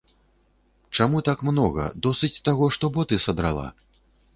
Чаму так многа, досыць таго, што боты садрала.